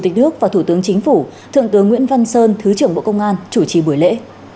tịch đức và thủ tướng chính phủ thượng tướng nguyễn văn sơn thứ trưởng bộ công an chủ trì buổi lễ